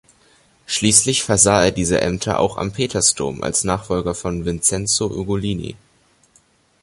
Schließlich versah er diese Ämter auch am Petersdom als Nachfolger von Vincenzo Ugolini.